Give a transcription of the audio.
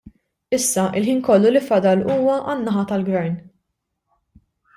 Issa l-ħin kollu li fadal huwa għan-naħa tal-gvern.